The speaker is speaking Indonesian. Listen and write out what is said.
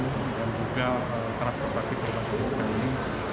dan juga transportasi perubahan sejumlah ini